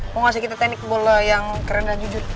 mau ngasih kita teknik bola yang keren dan jujur